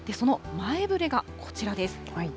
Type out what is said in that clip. その前触れがこちらです。